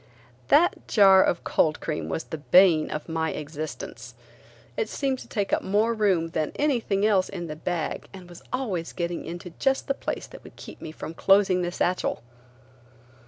That jar of cold cream was the bane of my existence. It seemed to take up more room than everything else in the bag and was always getting into just the place that would keep me from closing the satchel.